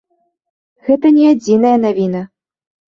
Гэта не адзіная навіна.